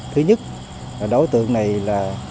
thứ nhất là đối tượng này là